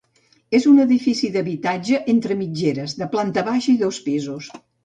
És un edifici d'habitatge entre mitgeres, de planta baixa i dos pisos.